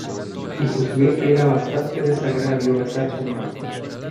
y juzgué que era bastante desagravio besar su mano.